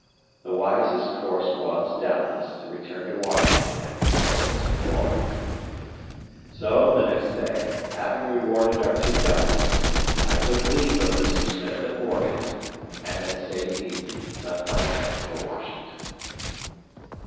The wisest course was, doubtless, to return to Washington and consult Mr. Ward. So, the next day, having rewarded our two guides, I took leave of Mr. Smith at Morganton, and that same evening left by train for Washington.